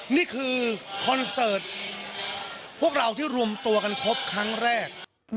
นี่คือคอนเสิร์ตพวกเราที่รวมตัวกันครบครั้งแรก